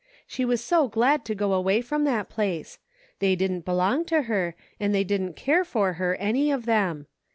She was so glad to go away from that place ; they didn't belong to her, and they didn't care for her, any of them.